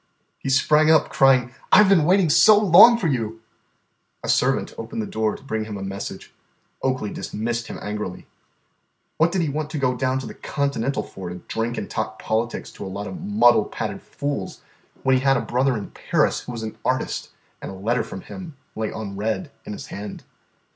He sprang up, crying, "I 've been waiting so long for you!" A servant opened the door to bring him a message. Oakley dismissed him angrily. What did he want to go down to the Continental for to drink and talk politics to a lot of muddle pated fools when he had a brother in Paris who was an artist and a letter from him lay unread in his hand?